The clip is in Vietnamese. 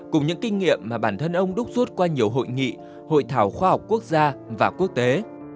cùng những kinh nghiệm mà bản thân ông đúc rút qua nhiều hội nghị hội thảo khoa học quốc gia và quốc tế